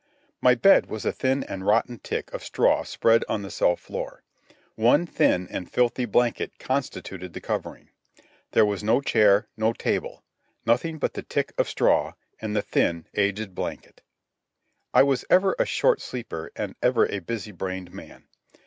My bed was a thin and rotten tick of straw spread on the cell floor. One thin and filthy blanket constituted the covering. There was no chair, no table—nothing but the tick of straw and the thin, aged blanket. I was ever a short sleeper and ever a busy brained man.